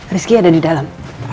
rizky ada di dalam